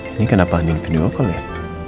ini kenapa nih video call ya